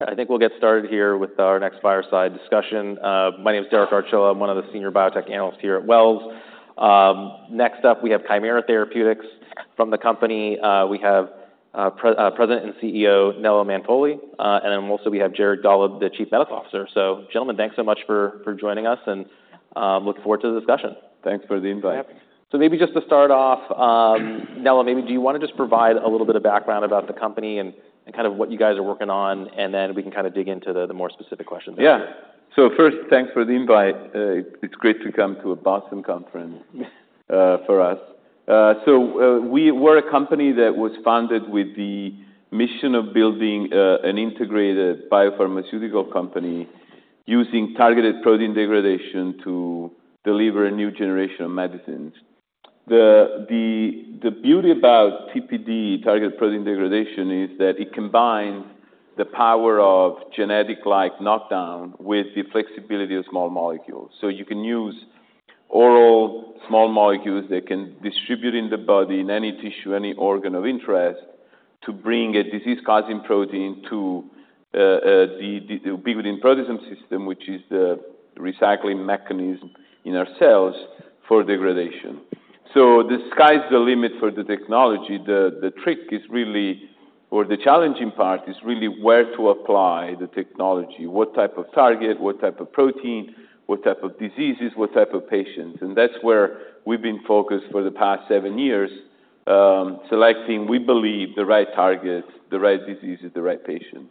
I think we'll get started here with our next fireside discussion. My name is Derek Archila. I'm one of the senior biotech analysts here at Wells. Next up, we have Kymera Therapeutics. From the company, we have President and CEO, Nello Mainolfi, and then also we have Jared Gollob, the Chief Medical Officer. So gentlemen, thanks so much for joining us, and look forward to the discussion. Thanks for the invite. Yep. So maybe just to start off, Nello, maybe do you want to just provide a little bit of background about the company and, and kind of what you guys are working on, and then we can kind of dig into the more specific questions? Yeah. So first, thanks for the invite. It's great to come to a Boston conference for us. We're a company that was founded with the mission of building an integrated biopharmaceutical company using targeted protein degradation to deliver a new generation of medicines. The beauty about TPD, targeted protein degradation, is that it combines the power of genetic-like knockdown with the flexibility of small molecules. So you can use oral small molecules that can distribute in the body, in any tissue, any organ of interest, to bring a disease-causing protein to the ubiquitin proteasome system, which is the recycling mechanism in our cells for degradation. So the sky's the limit for the technology. The trick is really, or the challenging part is really where to apply the technology, what type of target, what type of protein, what type of diseases, what type of patients, and that's where we've been focused for the past seven years, selecting, we believe, the right targets, the right diseases, the right patients.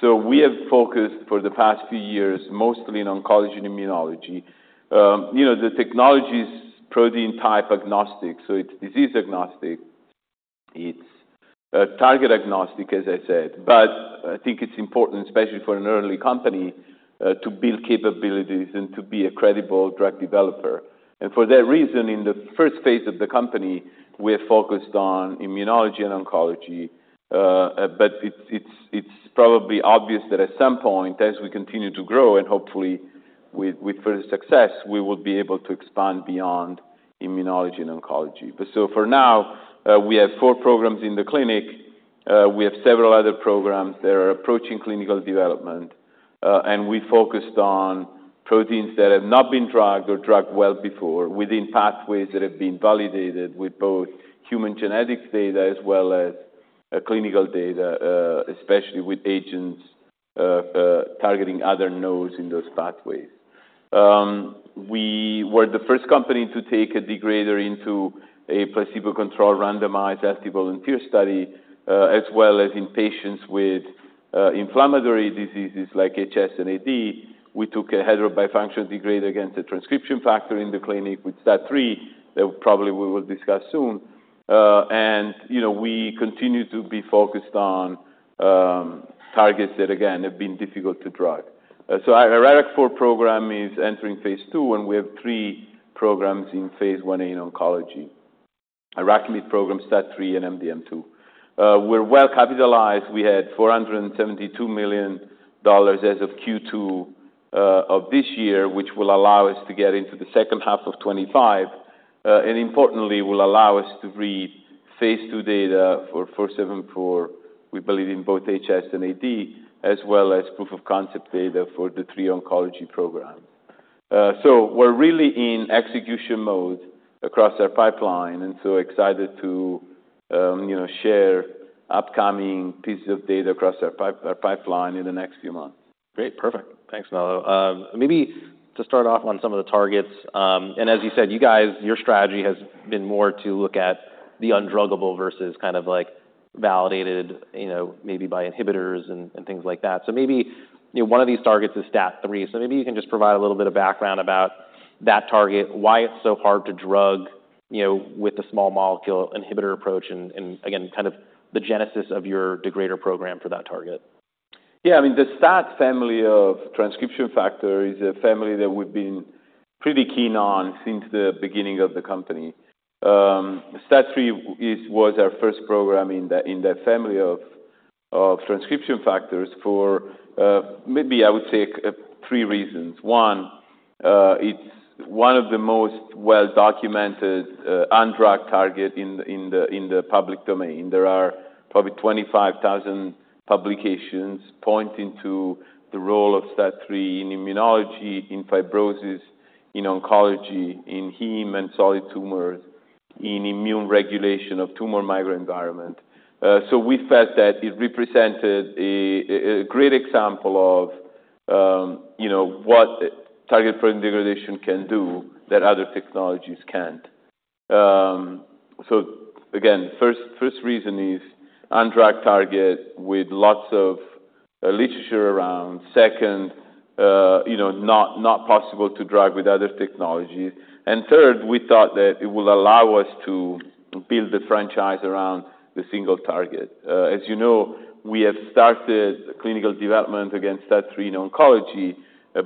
So we have focused for the past few years, mostly in oncology and immunology. You know, the technology is protein type agnostic, so it's disease agnostic. It's target agnostic, as I said, but I think it's important, especially for an early company, to build capabilities and to be a credible drug developer. For that reason, in the first phase of the company, we're focused on immunology and oncology, but it's probably obvious that at some point, as we continue to grow, and hopefully with further success, we will be able to expand beyond immunology and oncology. So for now, we have four programs in the clinic, we have several other programs that are approaching clinical development, and we focused on proteins that have not been drugged or drugged well before, within pathways that have been validated with both human genetics data as well as clinical data, especially with agents targeting other nodes in those pathways. We were the first company to take a degrader into a placebo-controlled, randomized, healthy volunteer study, as well as in patients with inflammatory diseases like HS and AD. We took a heterobifunctional degrader against a transcription factor in the clinic with STAT3, that probably we will discuss soon. And, you know, we continue to be focused on targets that, again, have been difficult to drug. So our IRAK4 program is entering Phase II, and we have three programs in Phase I in oncology. IRAKIMiD program, STAT3, and MDM2. We're well-capitalized. We had $472 million as of Q2 of this year, which will allow us to get into the second half of 2025, and importantly, will allow us to read Phase II data for KT-474, we believe in both HS and AD, as well as proof of concept data for the three oncology programs. We're really in execution mode across our pipeline, and so excited to, you know, share upcoming pieces of data across our pipeline in the next few months. Great. Perfect. Thanks, Nello. Maybe to start off on some of the targets, and as you said, you guys, your strategy has been more to look at the undruggable versus kind of like validated, you know, maybe by inhibitors and, and things like that. So maybe, you know, one of these targets is STAT3. So maybe you can just provide a little bit of background about that target, why it's so hard to drug, you know, with the small molecule inhibitor approach, and, and again, kind of the genesis of your degrader program for that target. Yeah, I mean, the STAT family of transcription factor is a family that we've been pretty keen on since the beginning of the company. STAT3 was our first program in the family of transcription factors for maybe I would say three reasons. One, it's one of the most well-documented undruggable target in the public domain. There are probably 25,000 publications pointing to the role of STAT3 in immunology, in fibrosis, in oncology, in heme and solid tumors, in immune regulation of tumor microenvironment. So we felt that it represented a great example of, you know, what target protein degradation can do that other technologies can't. So again, first reason is undruggable target with lots of literature around. Second, you know, not possible to drug with other technologies. And third, we thought that it would allow us to build the franchise around the single target. As you know, we have started clinical development against STAT3 in oncology,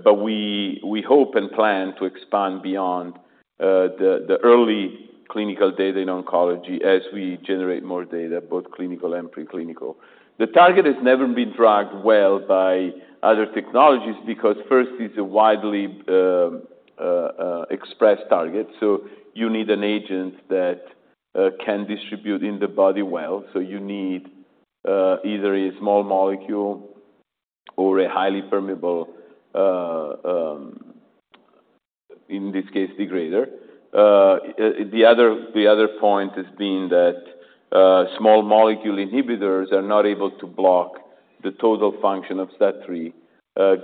but we hope and plan to expand beyond the early clinical data in oncology as we generate more data, both clinical and preclinical. The target has never been drugged well by other technologies because first, it's a widely expressed target, so you need an agent that can distribute in the body well, so you need either a small molecule or a highly permeable, in this case, degrader. The other point has been that small molecule inhibitors are not able to block the total function of STAT3,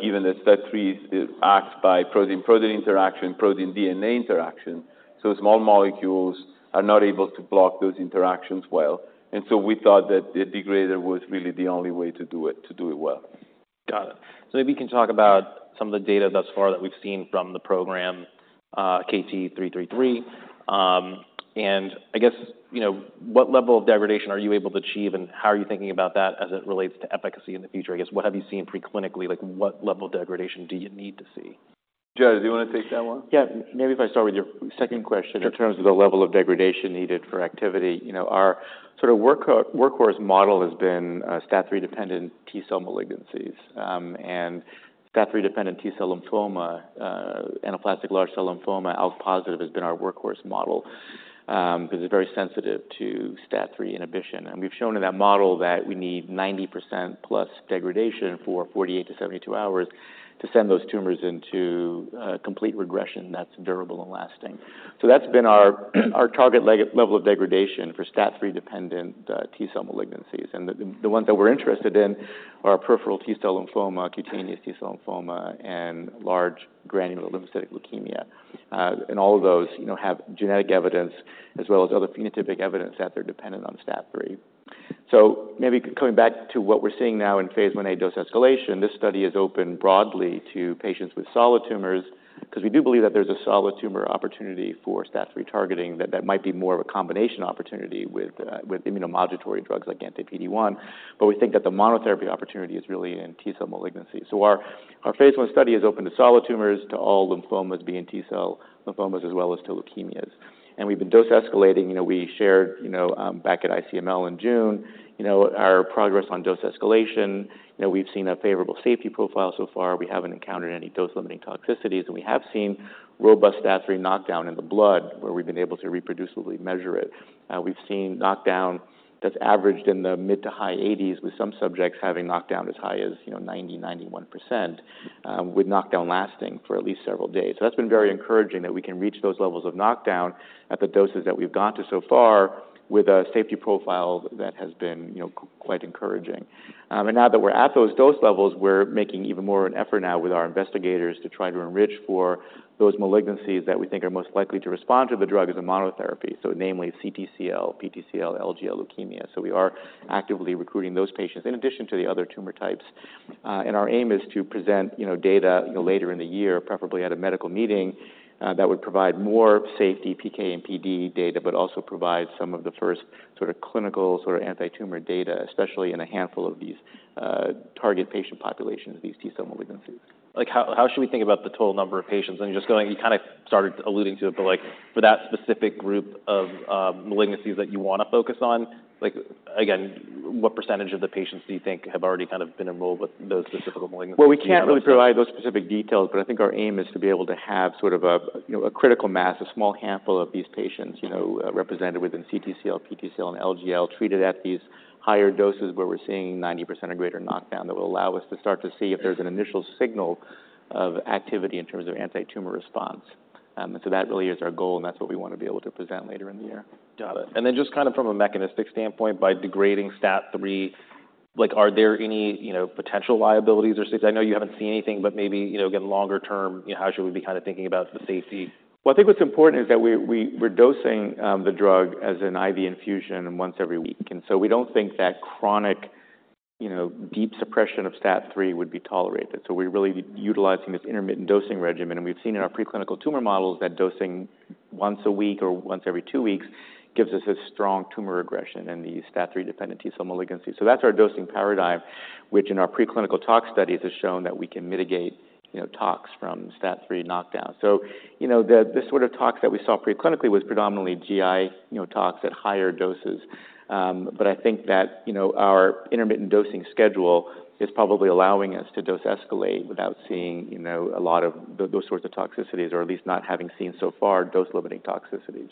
given that STAT3 acts by protein-protein interaction, protein-DNA interaction, so small molecules are not able to block those interactions well. And so we thought that the degrader was really the only way to do it, to do it well. Got it. So maybe you can talk about some of the data thus far that we've seen from the program, KT-333. And I guess, you know, what level of degradation are you able to achieve, and how are you thinking about that as it relates to efficacy in the future? I guess, what have you seen pre-clinically, like, what level of degradation do you need to see? Joe, do you want to take that one? Yeah. Maybe if I start with your second question in terms of the level of degradation needed for activity. You know, our sort of workhorse model has been STAT3-dependent T cell malignancies. And STAT3-dependent T cell lymphoma, anaplastic large cell lymphoma, ALK-positive, has been our workhorse model because it's very sensitive to STAT3 inhibition. And we've shown in that model that we need 90%+ degradation for 48-72 hours to send those tumors into complete regression that's durable and lasting. So that's been our target level of degradation for STAT3-dependent T cell malignancies. And the ones that we're interested in are peripheral T-cell lymphoma, cutaneous T-cell lymphoma, and large granular lymphocytic leukemia. And all of those, you know, have genetic evidence as well as other phenotypic evidence that they're dependent on STAT3. So maybe coming back to what we're seeing now in Phase I, a dose escalation, this study is open broadly to patients with solid tumors because we do believe that there's a solid tumor opportunity for STAT3 targeting, that might be more of a combination opportunity with immunomodulatory drugs like anti-PD-1. But we think that the monotherapy opportunity is really in T-cell malignancy. So our Phase I study is open to solid tumors, to all lymphomas, B- and T-cell lymphomas, as well as to leukemias. And we've been dose escalating. You know, we shared, you know, back at ICML in June, you know, our progress on dose escalation. You know, we've seen a favorable safety profile so far. We haven't encountered any dose-limiting toxicities, and we have seen robust STAT3 knockdown in the blood, where we've been able to reproducibly measure it. We've seen knockdown that's averaged in the mid- to high 80s, with some subjects having knockdown as high as, you know, 90%, 91%, with knockdown lasting for at least several days. So that's been very encouraging that we can reach those levels of knockdown at the doses that we've got to so far with a safety profile that has been, you know, quite encouraging. And now that we're at those dose levels, we're making even more an effort now with our investigators to try to enrich for those malignancies that we think are most likely to respond to the drug as a monotherapy, so namely CTCL, PTCL, LGL leukemia. So we are actively recruiting those patients in addition to the other tumor types. Our aim is to present, you know, data, you know, later in the year, preferably at a medical meeting, that would provide more safety, PK, and PD data, but also provide some of the first sort of clinical sort of antitumor data, especially in a handful of these target patient populations, these T-cell malignancies. Like, how, how should we think about the total number of patients? And just going. You kind of started alluding to it, but, like, for that specific group of, of malignancies that you want to focus on, like, again, what percentage of the patients do you think have already kind of been enrolled with those specific malignancies? Well, we can't really provide those specific details, but I think our aim is to be able to have sort of a, you know, a critical mass, a small handful of these patients, you know, represented within CTCL, PTCL, and LGL, treated at these higher doses, where we're seeing 90% or greater knockdown. That will allow us to start to see if there's an initial signal of activity in terms of antitumor response. And so that really is our goal, and that's what we want to be able to present later in the year. Got it. And then just kind of from a mechanistic standpoint, by degrading STAT3, like, are there any, you know, potential liabilities or risks? I know you haven't seen anything, but maybe, you know, again, longer term, you know, how should we be kind of thinking about the safety? Well, I think what's important is that we we're dosing the drug as an IV infusion once every week. And so we don't think that chronic, you know, deep suppression of STAT3 would be tolerated, so we're really utilizing this intermittent dosing regimen. And we've seen in our preclinical tumor models that dosing once a week or once every two weeks gives us a strong tumor regression in the STAT3-dependent T-cell malignancy. So that's our dosing paradigm, which in our preclinical tox studies has shown that we can mitigate, you know, tox from STAT3 knockdown. So, you know, the sort of tox that we saw preclinically was predominantly GI, you know, tox at higher doses. But I think that, you know, our intermittent dosing schedule is probably allowing us to dose escalate without seeing, you know, a lot of those sorts of toxicities, or at least not having seen so far, dose-limiting toxicities.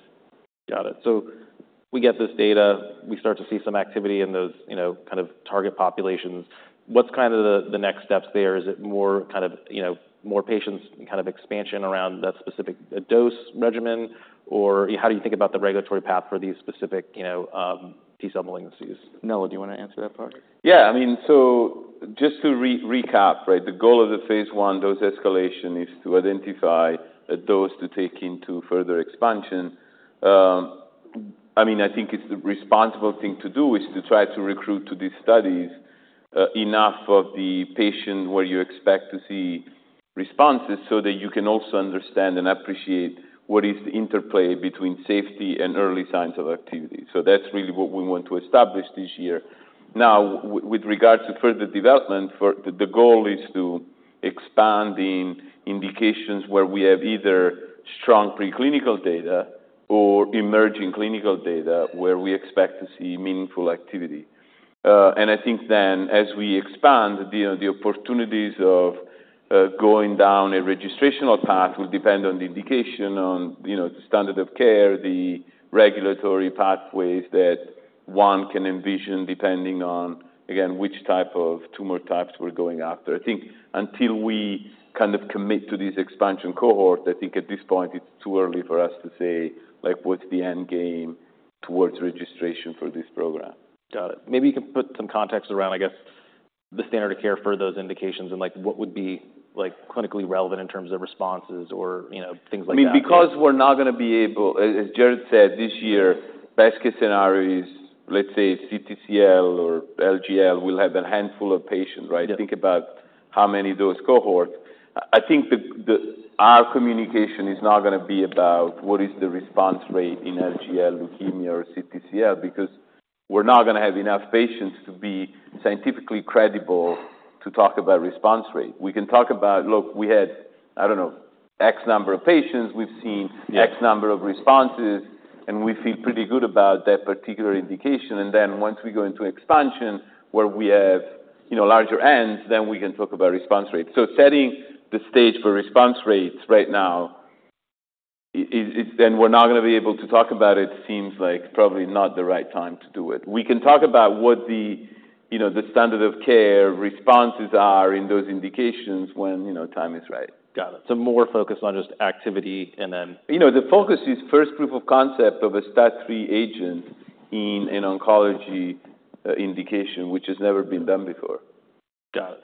Got it. So we get this data, we start to see some activity in those, you know, kind of target populations. What's kind of the next steps there? Is it more kind of, you know, more patients, kind of expansion around that specific dose regimen? Or how do you think about the regulatory path for these specific, you know, T-cell malignancies? Nello, do you want to answer that part? Yeah. I mean, so just to recap, right? The goal of the Phase I dose escalation is to identify a dose to take into further expansion. I mean, I think it's the responsible thing to do, is to try to recruit to these studies enough of the patient where you expect to see responses, so that you can also understand and appreciate what is the interplay between safety and early signs of activity. So that's really what we want to establish this year. Now, with regards to further development, the goal is to expand in indications where we have either strong preclinical data or emerging clinical data, where we expect to see meaningful activity. And I think then as we expand, the opportunities of going down a registrational path will depend on the indication, on, you know, the standard of care, the regulatory pathways that one can envision, depending on, again, which type of tumor types we're going after. I think until we kind of commit to this expansion cohort, I think at this point it's too early for us to say, like, what's the end game towards registration for this program? Got it. Maybe you can put some context around, I guess, the standard of care for those indications and, like, what would be, like, clinically relevant in terms of responses or, you know, things like that? I mean, because we're not gonna be able. As, as Jared said, this year, best case scenario is, let's say CTCL or LGL will have a handful of patients, right? Yeah. Think about how many those cohorts. I think the. Our communication is not gonna be about what is the response rate in LGL leukemia or CTCL, because we're not gonna have enough patients to be scientifically credible to talk about response rate. We can talk about, look, we had, I don't know, X number of patients, we've seen- Yeah X number of responses, and we feel pretty good about that particular indication. Then once we go into expansion, where we have, you know, larger ends, then we can talk about response rates. So setting the stage for response rates right now, then we're not gonna be able to talk about it, seems like probably not the right time to do it. We can talk about what the, you know, the standard of care responses are in those indications when, you know, time is right. Got it. So more focused on just activity and then. You know, the focus is first proof of concept of a STAT3 agent in an oncology indication, which has never been done before. Got it.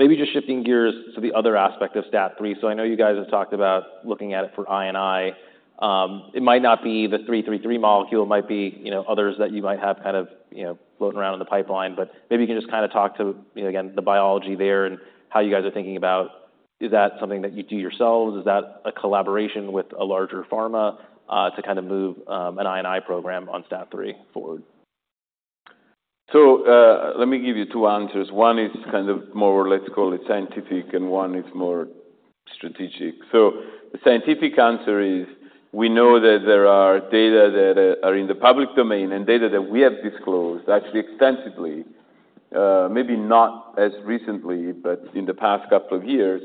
Maybe just shifting gears to the other aspect of STAT3. So I know you guys have talked about looking at it for I&I. It might not be the three three three molecule, it might be, you know, others that you might have kind of, you know, floating around in the pipeline, but maybe you can just kinda talk to, you know, again, the biology there and how you guys are thinking about, is that something that you do yourselves? Is that a collaboration with a larger pharma to kind of move an I&I program on STAT3 forward? So, let me give you two answers. One is kind of more, let's call it scientific, and one is more strategic. So the scientific answer is, we know that there are data that are in the public domain and data that we have disclosed actually extensively, maybe not as recently, but in the past couple of years,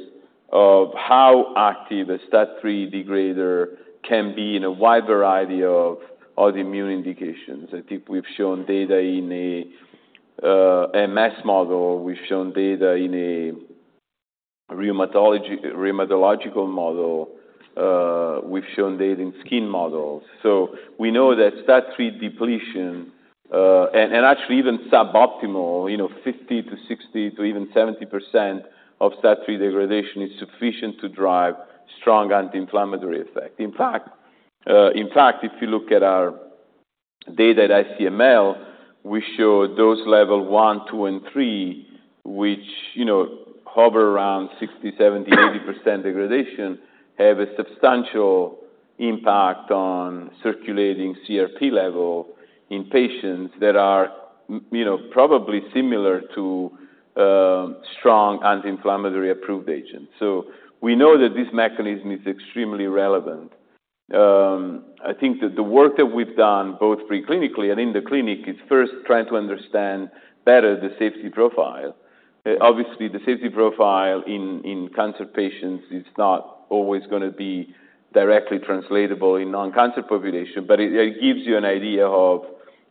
of how active a STAT3 degrader can be in a wide variety of autoimmune indications. I think we've shown data in a MS model. We've shown data in a rheumatological model. We've shown data in skin models. So we know that STAT3 depletion, and actually even suboptimal, you know, 50%-60% to even 70% of STAT3 degradation is sufficient to drive strong anti-inflammatory effect. In fact, in fact, if you look at our data at ICML, we showed dose Level 1, 2, and 3, which, you know, hover around 60%, 70%, 80% degradation, have a substantial impact on circulating CRP level in patients that are, you know, probably similar to strong anti-inflammatory approved agents. So we know that this mechanism is extremely relevant. I think that the work that we've done, both pre-clinically and in the clinic, is first trying to understand better the safety profile. Obviously, the safety profile in cancer patients is not always gonna be directly translatable in non-cancer population, but it gives you an idea of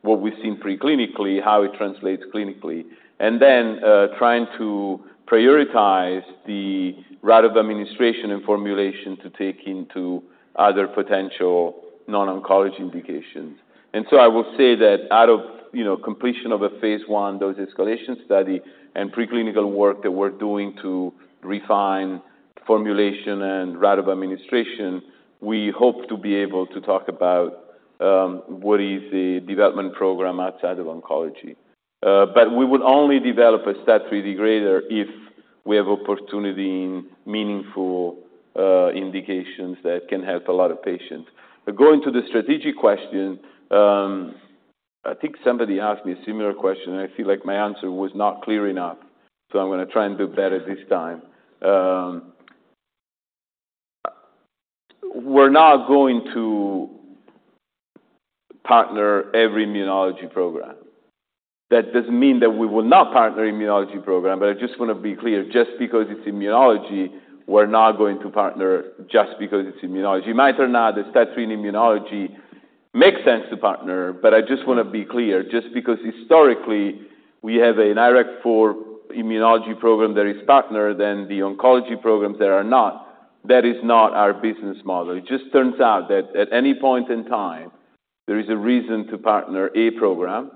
what we've seen pre-clinically, how it translates clinically, and then trying to prioritize the route of administration and formulation to take into other potential non-oncology indications. And so I would say that out of, you know, completion of a Phase I, dose escalation study and preclinical work that we're doing to refine formulation and route of administration, we hope to be able to talk about what is the development program outside of oncology. But we would only develop a STAT3 degrader if we have opportunity in meaningful indications that can help a lot of patients. But going to the strategic question, I think somebody asked me a similar question, and I feel like my answer was not clear enough, so I'm gonna try and do better this time. We're not going to partner every immunology program. That doesn't mean that we will not partner immunology program, but I just wanna be clear, just because it's immunology, we're not going to partner just because it's immunology. It might turn out that STAT3 in immunology makes sense to partner, but I just wanna be clear, just because historically we have an IRAK4 immunology program that is partnered, then the oncology programs that are not, that is not our business model. It just turns out that at any point in time, there is a reason to partner a program,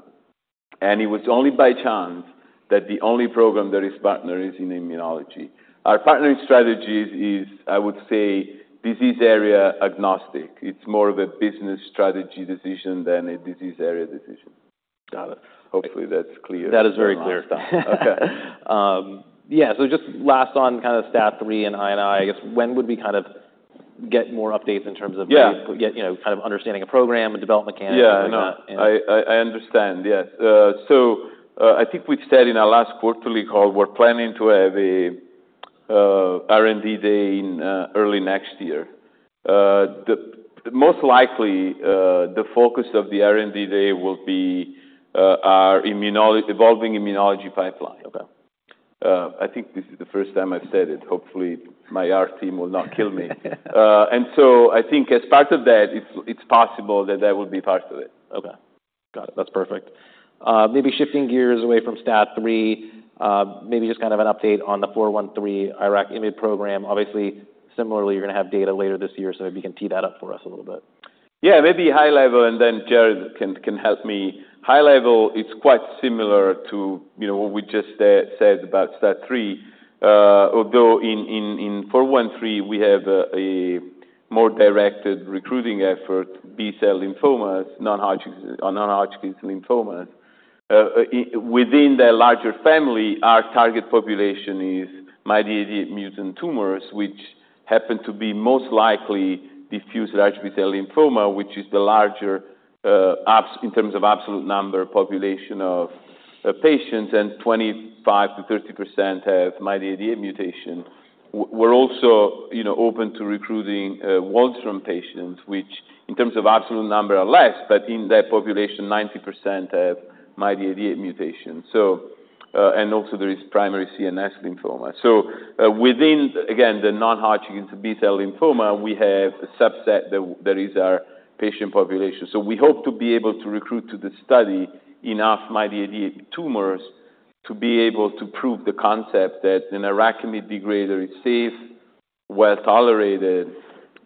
and it was only by chance that the only program that is partnered is in immunology. Our partnering strategy is, I would say, disease area agnostic. It's more of a business strategy decision than a disease area decision. Got it. Hopefully, that's clear. That is very clear. Okay. Yeah, so just last on kind of STAT3 and IMiD, I guess, when would we kind of get more updates in terms of. Yeah. You know, kind of understanding a program, a development plan? Yeah, no, I understand. Yes. So, I think we've said in our last quarterly call, we're planning to have R&D Day in early next year. Most likely, the focus of the R&D Day will be our immunology-evolving immunology pipeline. Okay. I think this is the first time I've said it. Hopefully, my IR team will not kill me. And so I think as part of that, it's possible that that will be part of it. Okay. Got it. That's perfect. Maybe shifting gears away from STAT3, maybe just kind of an update on the 413 IRAKIMiD program. Obviously, similarly, you're gonna have data later this year, so if you can tee that up for us a little bit. Yeah, maybe high level, and then Jared can help me. High level, it's quite similar to, you know, what we just said about STAT3. Although in 413, we have a more directed recruiting effort, B-cell lymphomas, non-Hodgkin's lymphoma. Within the larger family, our target population is MYD88 mutant tumors, which happen to be most likely diffuse large B-cell lymphoma, which is the larger, in terms of absolute number, population of patients, and 25%-30% have MYD88 mutation. We're also, you know, open to recruiting Waldenstrom patients, which, in terms of absolute number, are less, but in that population, 90% have MYD88 mutation. So, and also, there is primary CNS lymphoma. So within, again, the non-Hodgkin's B-cell lymphoma, we have a subset that is our patient population. We hope to be able to recruit to the study enough MYD88 tumors to be able to prove the concept that an IRAKIMiD degrader is safe, well-tolerated,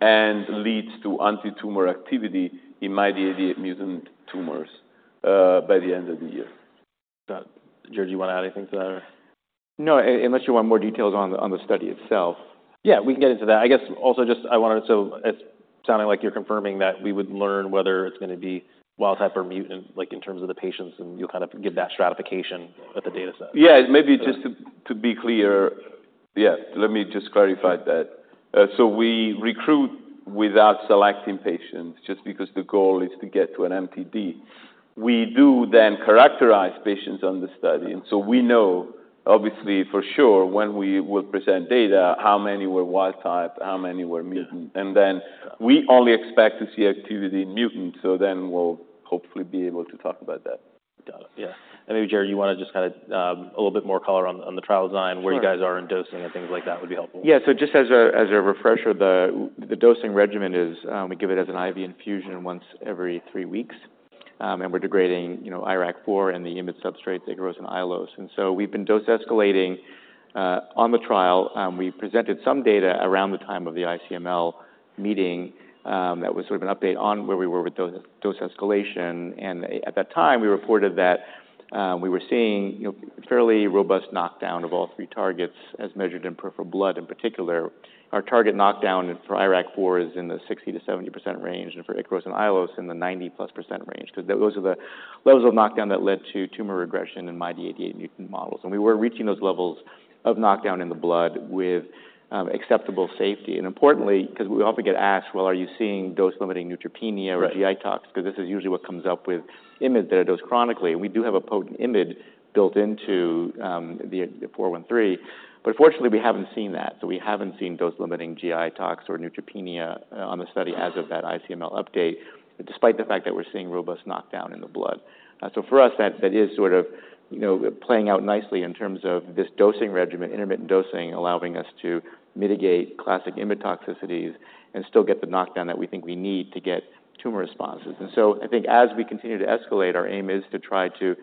and leads to antitumor activity in MYD88 mutant tumors by the end of the year. Got it. Jared, do you want to add anything to that? No, unless you want more details on the study itself. Yeah, we can get into that. I guess, also just I wanted. So it's sounding like you're confirming that we would learn whether it's gonna be wild type or mutant, like, in terms of the patients, and you'll kind of give that stratification with the data set. Yeah, maybe just to be clear. Yeah, let me just clarify that. So we recruit without selecting patients just because the goal is to get to an MTD. We do then characterize patients on the study, and so we know, obviously, for sure, when we will present data, how many were wild type, how many were mutant. Yeah. And then we only expect to see activity in mutant, so then we'll hopefully be able to talk about that. Got it. Yeah. And maybe, Jared, you want to just kind of, a little bit more color on the trial design. Sure Where you guys are in dosing and things like that would be helpful. Yeah. So just as a refresher, the dosing regimen is, we give it as an IV infusion once every three weeks, and we're degrading, you know, IRAK4 and the IMiD substrates, Ikaros and Aiolos. And so we've been dose escalating on the trial, and we presented some data around the time of the ICML meeting, that was sort of an update on where we were with dose escalation. And at that time, we reported that, we were seeing, you know, fairly robust knockdown of all three targets as measured in peripheral blood. In particular, our target knockdown for IRAK4 is in the 60%-70% range, and for Ikaros and Aiolos, in the 90%+ range, 'cause those are the levels of knockdown that led to tumor regression in MYD88 mutant models, and we were reaching those levels of knockdown in the blood with acceptable safety. And importantly, 'cause we often get asked: Well, are you seeing dose-limiting neutropenia. Right. Or GI tox? 'Cause this is usually what comes up with IMiD that are dosed chronically. We do have a potent IMiD built into the 413, but fortunately, we haven't seen that. So we haven't seen dose-limiting GI tox or neutropenia on the study as of that ICML update, despite the fact that we're seeing robust knockdown in the blood. So for us, that is sort of, you know, playing out nicely in terms of this dosing regimen, intermittent dosing, allowing us to mitigate classic IMiD toxicities and still get the knockdown that we think we need to get tumor responses. Mm-hmm. And so I think as we continue to escalate, our aim is to try to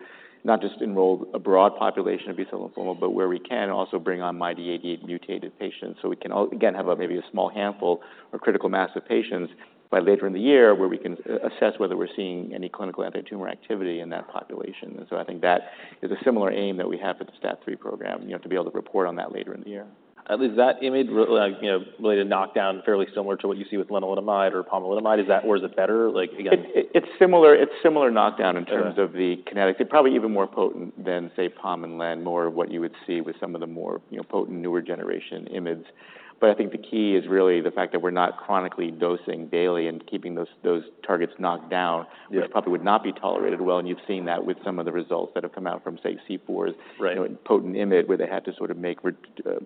not just enroll a broad population of B-cell lymphoma, but where we can, also bring on MYD88-mutated patients, so we can again, have maybe a small handful or critical mass of patients by later in the year, where we can assess whether we're seeing any clinical antitumor activity in that population. And so I think that is a similar aim that we have for the STAT3 program, you know, to be able to report on that later in the year. Is that IMiD, like, you know, really a knockdown, fairly similar to what you see with lenalidomide or pomalidomide? Is that or is it better? Like, again. It's similar knockdown. Uh. In terms of the kinetics. It's probably even more potent than, say, pom and len, more of what you would see with some of the more, you know, potent, newer generation IMiDs. But I think the key is really the fact that we're not chronically dosing daily and keeping those, those targets knocked down. Yes. Which probably would not be tolerated well, and you've seen that with some of the results that have come out from, say, C4's. Right. You know, potent IMiD, where they had to sort of make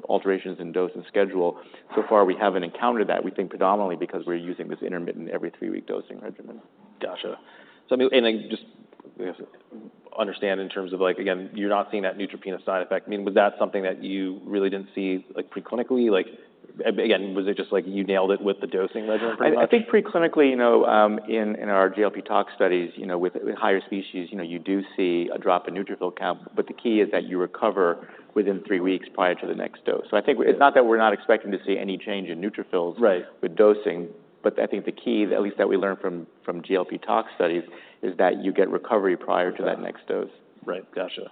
alterations in dose and schedule. So far, we haven't encountered that, we think predominantly because we're using this intermittent every-three-week dosing regimen. Gotcha. So, I mean, and, like, just, I guess, understand in terms of, like, again, you're not seeing that neutropenia side effect. I mean, was that something that you really didn't see, like, preclinically? Like, again, was it just like you nailed it with the dosing regimen pretty much? I think pre-clinically, you know, in our GLP tox studies, you know, with higher species, you know, you do see a drop in neutrophil count, but the key is that you recover within three weeks prior to the next dose. Yeah. I think it's not that we're not expecting to see any change in neutrophils. Right. With dosing, but I think the key, at least that we learned from GLP tox studies, is that you get recovery prior to that next dose. Right. Gotcha.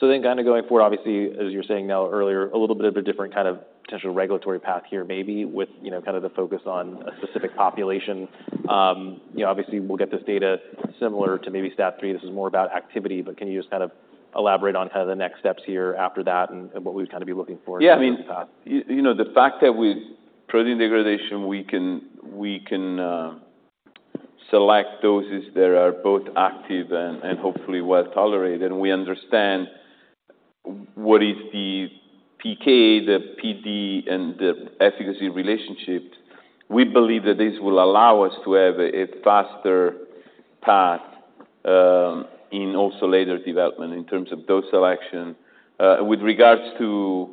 So then kind of going forward, obviously, as you were saying now earlier, a little bit of a different kind of potential regulatory path here, maybe with, you know, kind of the focus on a specific population. You know, obviously, we'll get this data similar to maybe STAT3. This is more about activity, but can you just kind of elaborate on kind of the next steps here after that and, and what we'd kind of be looking for? Yeah, I mean. In the path. You know, the fact that with protein degradation, we can, we can, select doses that are both active and, and hopefully well-tolerated, and we understand what is the PK, the PD, and the efficacy relationship. We believe that this will allow us to have a faster path, in also later development in terms of dose selection, with regards to,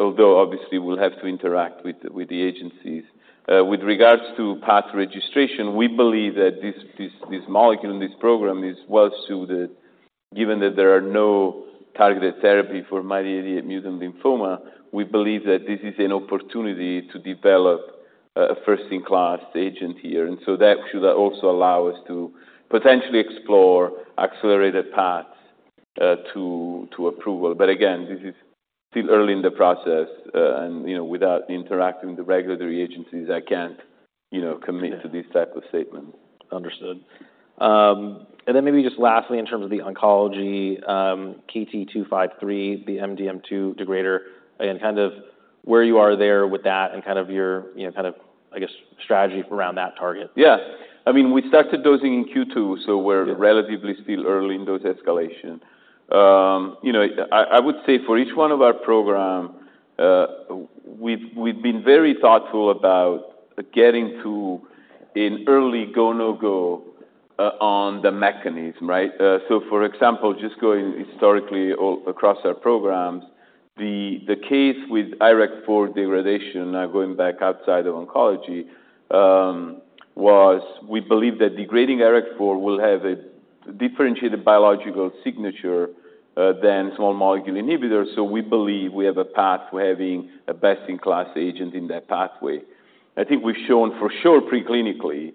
although obviously we'll have to interact with the agencies. With regards to path registration, we believe that this, this, this molecule and this program is well-suited, given that there are no targeted therapy for MYD88 mutant lymphoma, we believe that this is an opportunity to develop a first-in-class agent here, and so that should also allow us to potentially explore accelerated paths, to, to approval. But again, this is still early in the process, and, you know, without interacting with the regulatory agencies, I can't, you know, commit. Yeah. To these type of statements. Understood. And then maybe just lastly, in terms of the oncology, KT-253, the MDM2 degrader, and kind of where you are there with that and kind of your, you know, kind of, I guess, strategy around that target. Yea.h. I mean, we started dosing in Q2, so we're. Yeah. Relatively still early in dose escalation. You know, I would say for each one of our program, we've been very thoughtful about getting to an early go, no-go, on the mechanism, right? So for example, just going historically all across our programs, the case with IRAK4 degradation, now going back outside of oncology, was we believe that degrading IRAK4 will have a differentiated biological signature than small molecule inhibitors, so we believe we have a path to having a best-in-class agent in that pathway. I think we've shown for sure pre-clinically,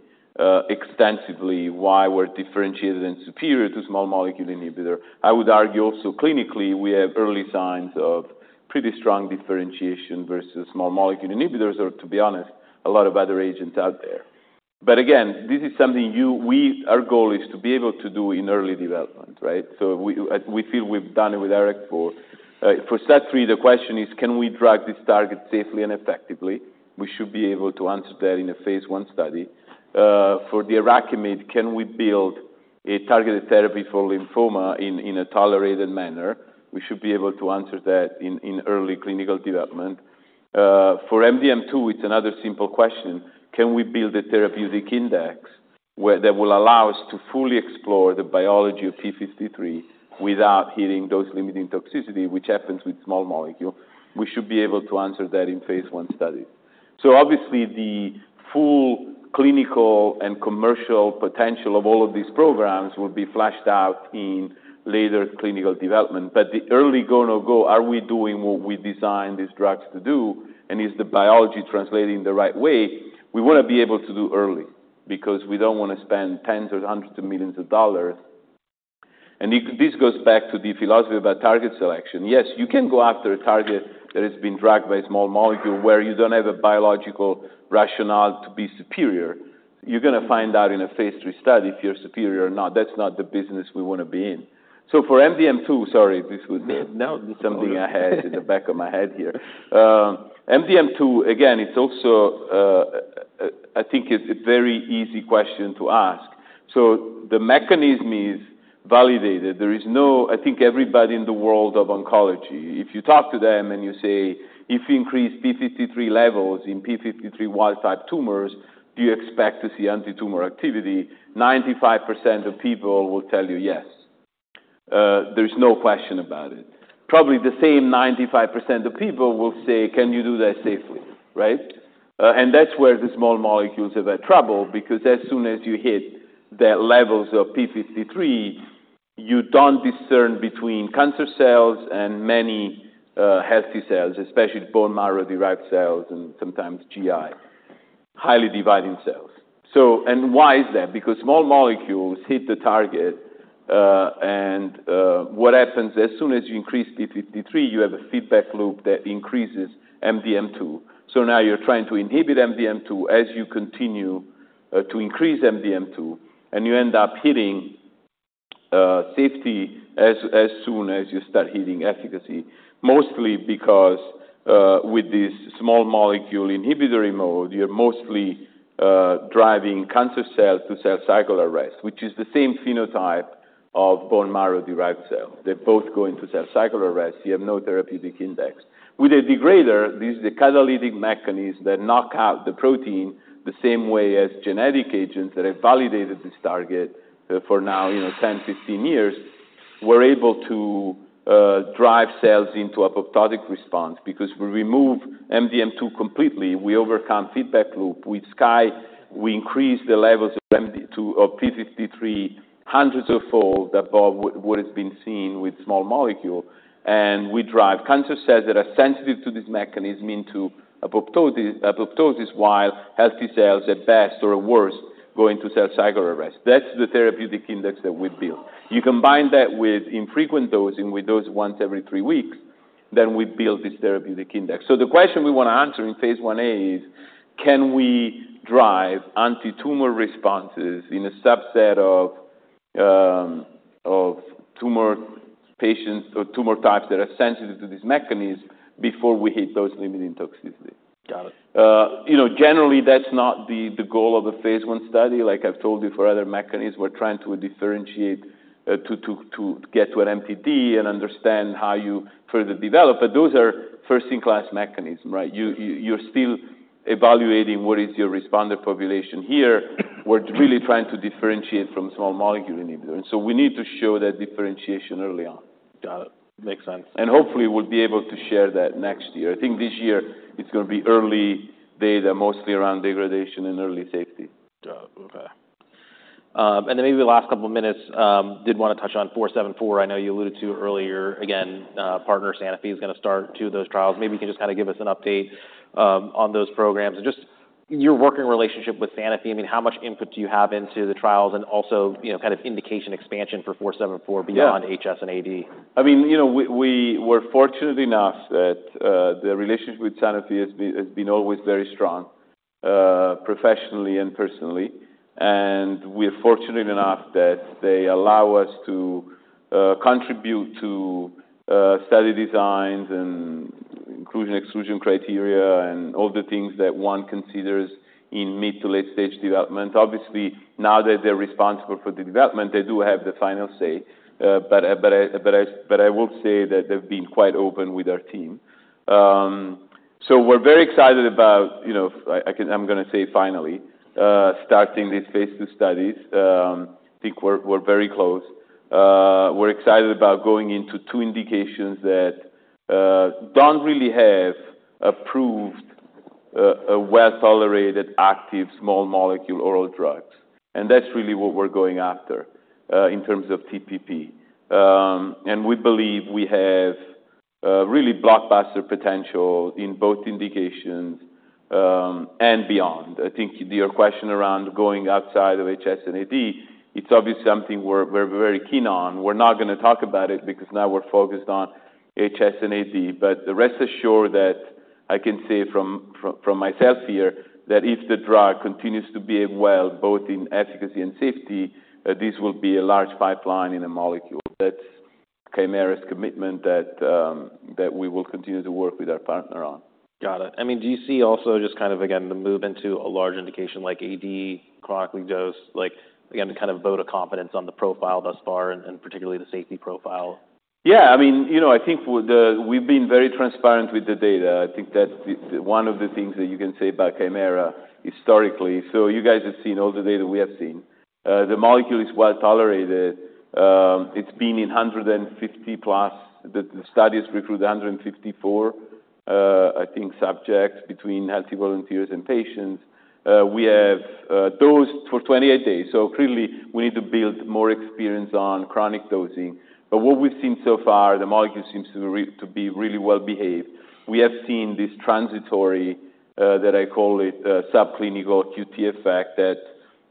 extensively, why we're differentiated and superior to small molecule inhibitor. I would argue also clinically, we have early signs of pretty strong differentiation versus small molecule inhibitors, or to be honest, a lot of other agents out there. But again, this is something our goal is to be able to do in early development, right? So we feel we've done it with IRAK4. For STAT3, the question is, can we drug this target safely and effectively? We should be able to answer that in a Phase I study. For the IRAKIMiD, can we build a targeted therapy for lymphoma in a tolerated manner? We should be able to answer that in early clinical development. For MDM2, it's another simple question: Can we build a therapeutic index where that will allow us to fully explore the biology of p53 without hitting dose-limiting toxicity, which happens with small molecule? We should be able to answer that in Phase I study. So obviously, the full clinical and commercial potential of all of these programs will be fleshed out in later clinical development. But the early go, no-go, are we doing what we designed these drugs to do, and is the biology translating the right way? We wanna be able to do early because we don't wanna spend $10 million or $100 million. And this goes back to the philosophy about target selection. Yes, you can go after a target that has been drugged by a small molecule where you don't have a biological rationale to be superior. You're gonna find out in a Phase III study if you're superior or not. That's not the business we wanna be in. So for MDM2. Sorry, this was. No. Something I had in the back of my head here. MDM2, again, it's also, I think it's a very easy question to ask. So the mechanism is validated. There is no- I think everybody in the world of oncology, if you talk to them and you say, "If you increase p53 levels in p53 wild-type tumors, do you expect to see antitumor activity?" 95% of people will tell you, "Yes." There's no question about it. Probably the same 95% of people will say: Can you do that safely, right? And that's where the small molecules have a trouble, because as soon as you hit the levels of p53, you don't discern between cancer cells and many, healthy cells, especially bone marrow-derived cells and sometimes GI, highly dividing cells. So, and why is that? Because small molecules hit the target, and what happens as soon as you increase p53, you have a feedback loop that increases MDM2. So now you're trying to inhibit MDM2 as you continue to increase MDM2, and you end up hitting safety as soon as you start hitting efficacy. Mostly because with this small molecule inhibitory mode, you're mostly driving cancer cells to cell cycle arrest, which is the same phenotype of bone marrow-derived cell. They both go into cell cycle arrest. You have no therapeutic index. With a degrader, this is a catalytic mechanism that knock out the protein the same way as genetic agents that have validated this target for now, you know, 10, 15 years, we're able to drive cells into a apoptotic response because we remove MDM2 completely, we overcome feedback loop. With KT-253, we increase the levels of p53 hundreds of fold above what has been seen with small molecule, and we drive cancer cells that are sensitive to this mechanism into apoptosis while healthy cells, at best or at worst, go into cell cycle arrest. That's the therapeutic index that we built. You combine that with infrequent dosing, with dose once every three weeks, then we build this therapeutic index. So the question we wanna answer in Phase 1A is: Can we drive antitumor responses in a subset of tumor patients or tumor types that are sensitive to this mechanism before we hit those limiting toxicity. Got it. You know, generally, that's not the goal of a Phase I study. Like I've told you, for other mechanisms, we're trying to differentiate to get to an MTD and understand how you further develop. But those are first-in-class mechanism, right? You're still evaluating what is your responder population here. We're really trying to differentiate from small molecule inhibitor, and so we need to show that differentiation early on. Got it. Makes sense. Hopefully, we'll be able to share that next year. I think this year it's gonna be early data, mostly around degradation and early safety. Got it. Okay. And then maybe the last couple of minutes, did wanna touch on 474. I know you alluded to earlier. Again, partner, Sanofi, is gonna start two of those trials. Maybe you can just kind of give us an update on those programs and just your working relationship with Sanofi. I mean, how much input do you have into the trials and also, you know, kind of indication expansion for 474. Yeah. Beyond HS and AD? I mean, you know, we, we were fortunate enough that, the relationship with Sanofi has been, has been always very strong, professionally and personally. And we're fortunate enough that they allow us to, contribute to, study designs and inclusion, exclusion criteria, and all the things that one considers in mid to late-stage development. Obviously, now that they're responsible for the development, they do have the final say, but, but I, but I, but I will say that they've been quite open with our team. So we're very excited about, you know, I can - I'm gonna say finally, starting these Phase II studies. I think we're, we're very close. We're excited about going into two indications that, don't really have approved, a well-tolerated, active, small molecule oral drugs, and that's really what we're going after, in terms of TPP. And we believe we have really blockbuster potential in both indications and beyond. I think your question around going outside of HS and AD, it's obviously something we're very keen on. We're not gonna talk about it because now we're focused on HS and AD, but rest assured that I can say from myself here, that if the drug continues to be well, both in efficacy and safety, this will be a large pipeline in a molecule. That's Kymera's commitment that we will continue to work with our partner on. Got it. I mean, do you see also just kind of, again, the move into a large indication like AD chronically dose, like, again, to kind of vote of confidence on the profile thus far, and, and particularly the safety profile? Yeah, I mean, you know, I think for the. We've been very transparent with the data. I think that's one of the things that you can say about Kymera historically. So you guys have seen all the data we have seen. The molecule is well tolerated. It's been in 150+, the studies recruit 154, I think, subjects between healthy volunteers and patients. We have dosed for 28 days, so clearly we need to build more experience on chronic dosing. But what we've seen so far, the molecule seems to be really well behaved. We have seen this transitory that I call it subclinical QT effect, that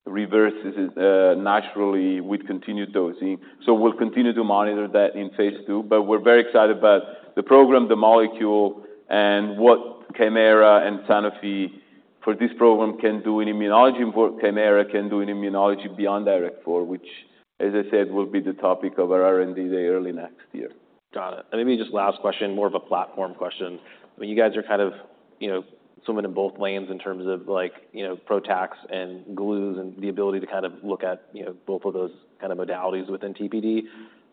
reverses naturally with continued dosing. So we'll continue to monitor that in Phase II, but we're very excited about the program, the molecule, and what Kymera and Sanofi for this program can do in immunology, and what Kymera can do in immunology beyond IRAK4, which, as I said, will be the topic of our R&D day early next year. Got it. Maybe just last question, more of a platform question. I mean, you guys are kind of, you know, swimming in both lanes in terms of like, you know, PROTACs and glues and the ability to kind of look at, you know, both of those kind of modalities within TPD.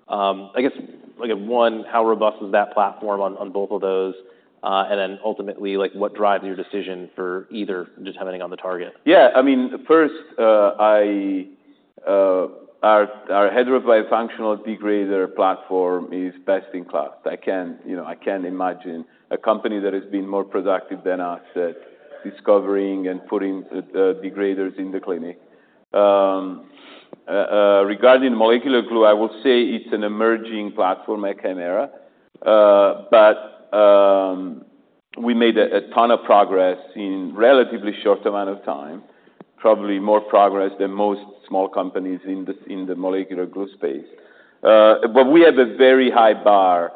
I guess, like, one, how robust is that platform on, on both of those? And then ultimately, like, what drives your decision for either just depending on the target? Yeah, I mean, first, our heterobifunctional degrader platform is best in class. I can't, you know, I can't imagine a company that has been more productive than us at discovering and putting degraders in the clinic. Regarding molecular glue, I will say it's an emerging platform at Kymera, but we made a ton of progress in relatively short amount of time. Probably more progress than most small companies in the molecular glue space. But we have a very high bar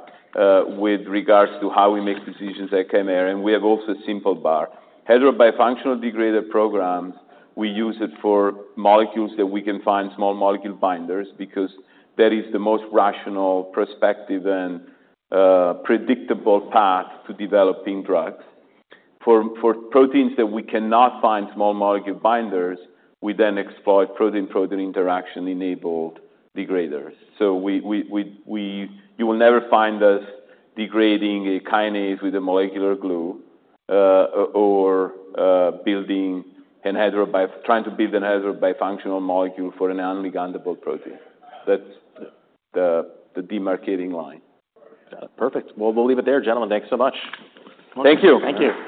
with regards to how we make decisions at Kymera, and we have also a simple bar. Heterobifunctional degrader programs, we use it for molecules that we can find small molecule binders, because that is the most rational perspective and predictable path to developing drugs. For proteins that we cannot find small molecule binders, we then exploit protein-protein interaction-enabled degraders. So you will never find us degrading a kinase with a molecular glue, or building a heterobifunctional by trying to build a heterobifunctional molecule for an unligandable protein. That's the demarcating line. Got it. Perfect. Well, we'll leave it there. Gentlemen, thank you so much. Thank you. Thank you.